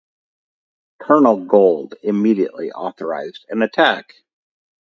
Colonel Gold immediately authorised an attack.